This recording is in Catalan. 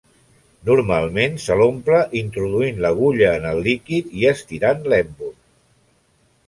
Normalment, se l'omple introduint l'agulla en el líquid i estirant l'èmbol.